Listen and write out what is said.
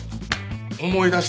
思い出した。